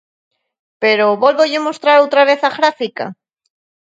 Pero ¿vólvolle mostrar outra vez a gráfica?